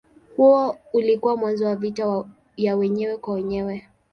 Huo ulikuwa mwanzo wa vita ya wenyewe kwa wenyewe.